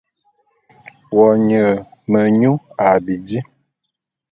Wo nye menyu a bidi.